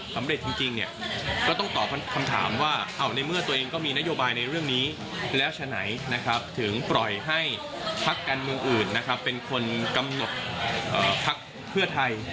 และกันเมืองอื่นเป็นคนกำหนดภักดิ์เพื่อไทย